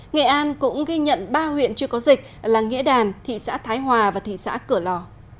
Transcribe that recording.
nghệ an cũng ghi nhận ba huyện chưa có dịch là nghĩa đàn thị xã thái hòa và thị xã cửa lò